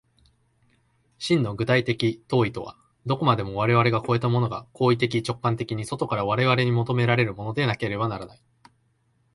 真の具体的当為とは、どこまでも我々を越えたものが行為的直観的に外から我々に求めるものでなければならない。